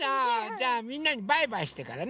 じゃみんなにバイバイしてからね。